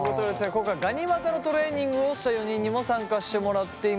今回ガニ股のトレーニングをした４人にも参加してもらっています。